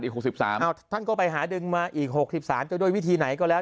๖๓ท่านก็ไปหาดึงมาอีก๖๓จะด้วยวิธีไหนก็แล้ว